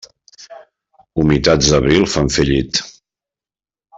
Humitats d'abril fan fer llit.